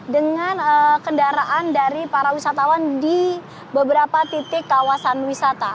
dengan kendaraan dari para wisatawan di beberapa titik kawasan wisata